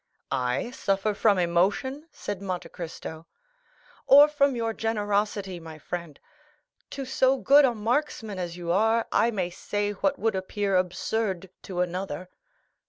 "I suffer from emotion?" said Monte Cristo. "Or from your generosity, my friend; to so good a marksman as you are, I may say what would appear absurd to another."